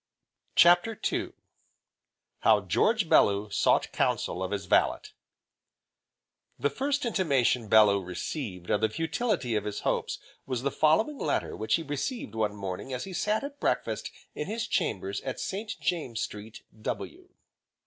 CHAPTER II How George Bellew sought counsel of his Valet The first intimation Bellew received of the futility of his hopes was the following letter which he received one morning as he sat at breakfast in his chambers in St. James Street, W.